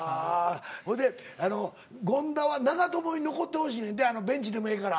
ほいで権田は長友に残ってほしいねんてベンチでもええから。